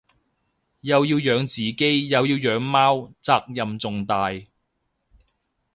又要養自己又要養貓責任重大